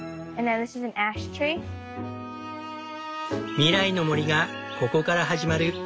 未来の森がここから始まる。